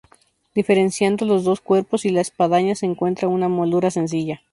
Diferenciando los dos cuerpos y la espadaña se encuentra una moldura sencilla.